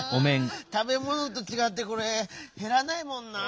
たべものとちがってこれへらないもんなぁ。